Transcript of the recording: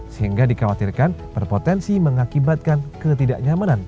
sehingga dikhawatirkan berpotensi mengakibatkan ketidaknyamanan